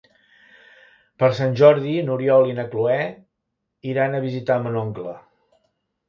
Per Sant Jordi n'Oriol i na Cloè iran a visitar mon oncle.